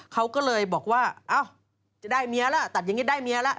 เขาก็เลยบอกว่าจะได้เมียแล้วตัดอย่างนี้ได้เมียแล้ว